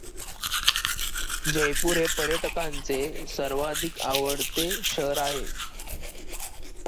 जयपूर हे पर्यटकांचे सर्वाधिक आवडते शहर आहे.